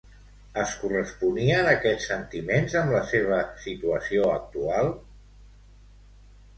Es corresponien aquests sentiments amb la seva situació actual?